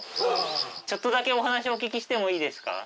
ちょっとだけお話お聞きしてもいいですか？